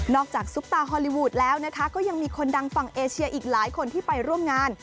ซุปตาฮอลลีวูดแล้วนะคะก็ยังมีคนดังฝั่งเอเชียอีกหลายคนที่ไปร่วมงาน